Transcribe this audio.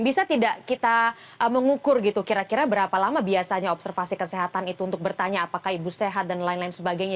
bisa tidak kita mengukur gitu kira kira berapa lama biasanya observasi kesehatan itu untuk bertanya apakah ibu sehat dan lain lain sebagainya